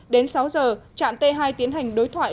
đến sáu giờ trạm t hai tiến hành đối thoại